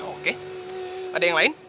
oke ada yang lain